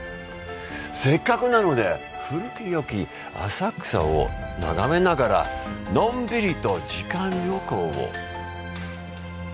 せっかくなので古きよき浅草を眺めながらのんびりと時間旅行を。